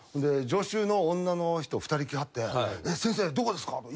助手の女の人２人来はって「先生どこですか？」